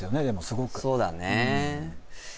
でもすごくそうだね